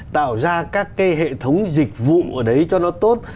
tạo ra các cái hệ thống dịch vụ ở đấy cho nó tốt